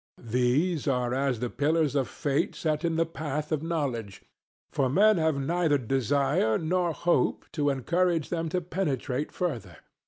These are as the pillars of fate set in the path of knowledge; for men have neither desire nor hope to encourage them to penetrate further.